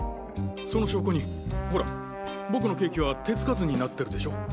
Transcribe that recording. その証拠にほら僕のケーキは手つかずになってるでしょ？